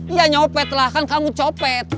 iya nyopet lah kan kamu copet